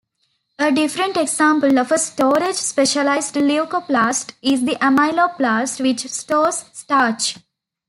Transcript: A different example of a storage-specialized leucoplast is the amyloplast, which stores starch.